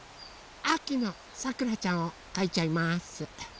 あきのさくらちゃんをかいちゃいます！